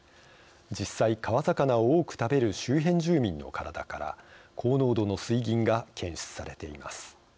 実際、川魚を多く食べる周辺住民の体から高濃度の水銀が検出されています。